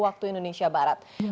wakil presiden arif hidayat berkata